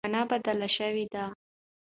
زمانه بدله شوې ده.